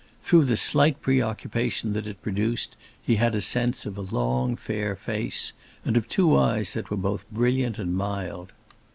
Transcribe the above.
Through the slight preoccupation that it produced he had a sense of a long, fair face, and of two eyes that were both brilliant and mild.